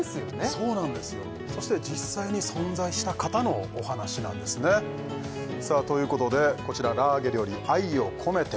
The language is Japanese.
そうなんですよそして実際に存在した方のお話なんですねさあということでこちら「ラーゲリより愛を込めて」